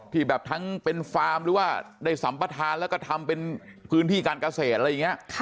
ที่แบบทั้งเป็นฟาร์มหรือว่าได้สัมปทานแล้วก็ทำเป็นพื้นที่การเกษตรอะไรอย่างนี้